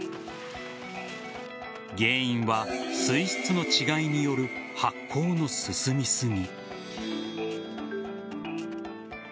原因は水質の違いによる発酵の進みすぎ。